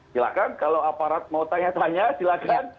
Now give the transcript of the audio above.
silakan kalau aparat mau tanya tanya silakan